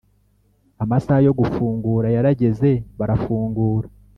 amasaha yo gufungura yarageze barafungura